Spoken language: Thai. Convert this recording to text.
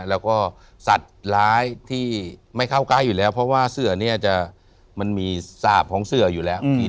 แล้วก็สัตว์ร้ายที่ไม่เข้าใกล้อยู่แล้วเพราะว่าเสือเนี่ยจะมันมีสาปของเสืออยู่แล้ว